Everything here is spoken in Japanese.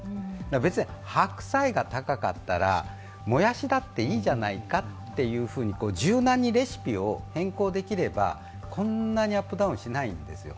別に白菜が高かったらもやしだっていいじゃないかって柔軟にレシピを変更できれば、こんなにアップダウンしないんですよ。